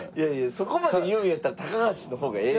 そこまで言うんやったら高橋の方がええやん。